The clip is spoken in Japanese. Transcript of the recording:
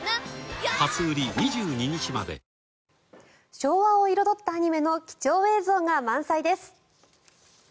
昭和を彩ったアニメの貴重映像が満載です。